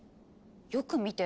よく見て。